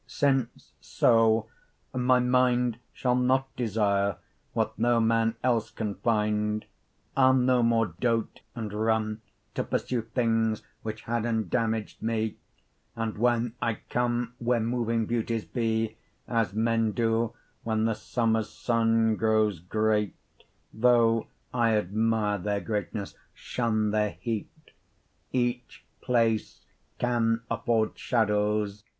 30 Since so, my minde Shall not desire what no man else can finde, I'll no more dote and runne To pursue things which had indammag'd me. And when I come where moving beauties be, 35 As men doe when the summers Sunne Growes great, Though I admire their greatnesse, shun their heat; Each place can afford shadowes.